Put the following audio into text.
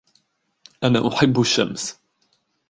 أنا أحب الشمس.